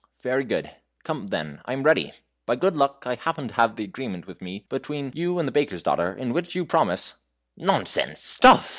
"Very good. Come, then, I am ready. By good luck I happen to have the agreement with me between you and the baker's daughter, in which you promise " "Nonsense! stuff!"